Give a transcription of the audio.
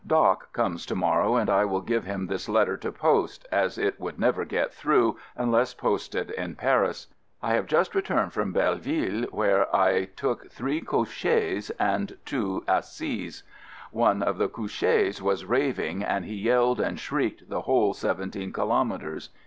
"Doc" comes to morrow and I will give him this letter to post, as it would never get through unless posted in Paris. I have just returned from Belle ville where I took three couches and two assis. One of the couches was raving and he yelled and shrieked the whole seven teen kilometres.